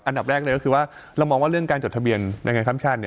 อันดับแรกเลยก็คือว่าเรามองว่าเรื่องการจดทะเบียนแรงงานข้ามชาติ